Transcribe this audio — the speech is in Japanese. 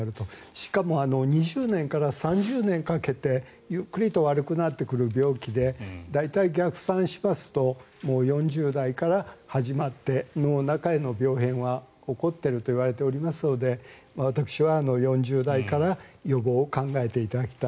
しかも、２０年から３０年かけてゆっくりと悪くなってくる病気で大体、逆算しますと４０代から始まって脳の中への病変は始まっているといわれていますので私は４０代から予防を考えていただきたい。